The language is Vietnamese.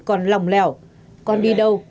còn lòng lẻo con đi đâu